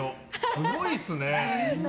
すごいっすね。